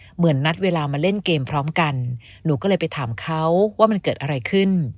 เหมือนนัดเวลามาเล่นเกมพร้อมกันหนูก็เลยไปถามเขาว่ามันเกิดอะไรขึ้น